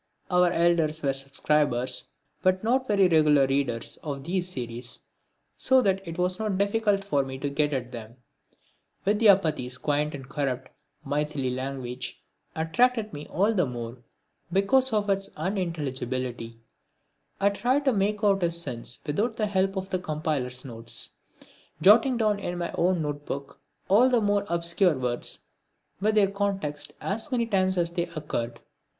Our elders were subscribers, but not very regular readers, of these series, so that it was not difficult for me to get at them. Vidyapati's quaint and corrupt Maithili language attracted me all the more because of its unintelligibility. I tried to make out his sense without the help of the compiler's notes, jotting down in my own note book all the more obscure words with their context as many times as they occurred.